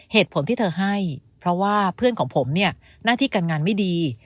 เหตุผลที่เธอให้เพราะว่าเพื่อนของผมเนี่ยหน้าที่การงานไม่ดี